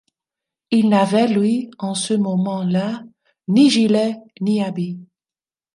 Il n’avait, lui, en ce moment-là, ni gilet, ni habit.